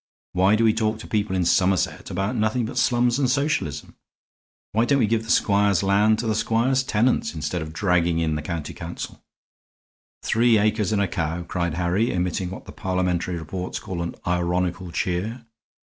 Why do we talk to people in Somerset about nothing but slums and socialism? Why don't we give the squire's land to the squire's tenants, instead of dragging in the county council?" "Three acres and a cow," cried Harry, emitting what the Parliamentary reports call an ironical cheer.